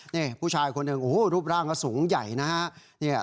นี่ผู้ชายคนหนึ่งโอ้โหรูปร่างก็สูงใหญ่นะฮะ